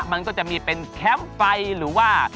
มันก็จะมีเป็นแคมป์ไฟหรือว่า